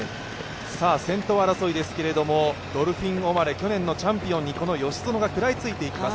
先頭争いですがドルフィン・オマレ去年のチャンピオンに吉薗が食らいついていきます。